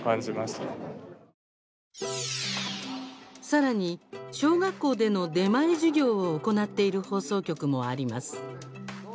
さらに、小学校での出前授業を行っている放送局もあります。